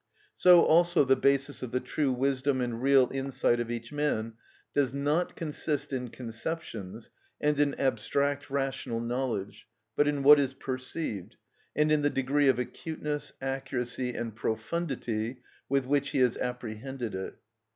So also the basis of the true wisdom and real insight of each man does not consist in conceptions and in abstract rational knowledge, but in what is perceived, and in the degree of acuteness, accuracy, and profundity with which he has apprehended it.